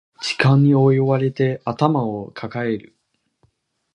時間に追われて頭を抱える